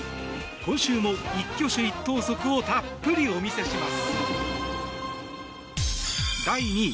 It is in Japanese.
今週も一挙手一投足をたっぷりお見せします。